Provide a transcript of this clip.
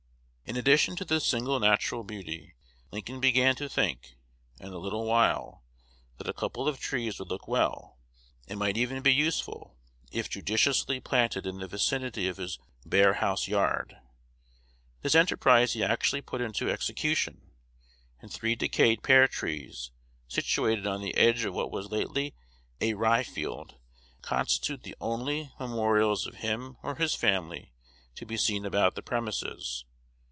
In addition to this single natural beauty, Lincoln began to think, in a little while, that a couple of trees would look well, and might even be useful, if judiciously planted in the vicinity of his bare house yard. This enterprise he actually put into execution; and three decayed pear trees, situated on the "edge" of what was lately a rye field, constitute the only memorials of him or his family to be seen about the premises.